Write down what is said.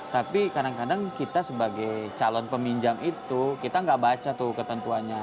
tapi kadang kadang kita sebagai calon peminjam itu kita nggak baca tuh ketentuannya